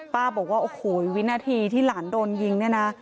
บอกว่าโอ้โหวินาทีที่หลานโดนยิงเนี่ยนะ